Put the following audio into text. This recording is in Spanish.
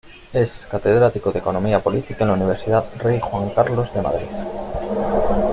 Es catedrático de Economía Política en la Universidad Rey Juan Carlos de Madrid.